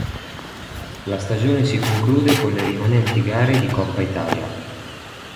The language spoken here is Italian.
La stagione si conclude con le rimanenti gare di Coppa Italia.